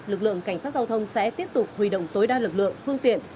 lực lượng cảnh sát giao thông sẽ tiếp tục huy động tối đa lực lượng phương tiện